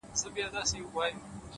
نظم د اوږدو موخو ساتونکی دی